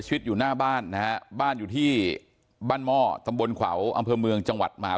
สรุปออกหมายจับเลยหรอคะ